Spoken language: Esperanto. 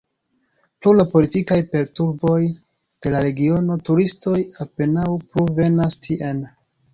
Pro la politikaj perturboj de la regiono turistoj apenaŭ plu venas tien.